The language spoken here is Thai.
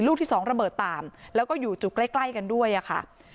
ลูกที่๒ระเบิดตามแล้วก็อยู่จุดใกล้กันด้วยค่ะ